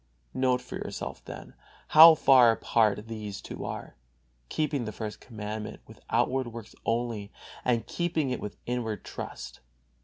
Note for yourself, then, how far apart these two are: keeping the First Commandment with outward works only, and keeping it with inward trust.